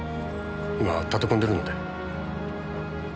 今立て込んでるので。